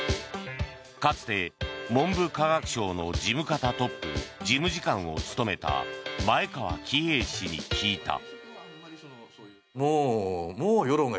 かつて文部科学省の事務方トップ事務次官を務めた前川喜平氏に聞いた。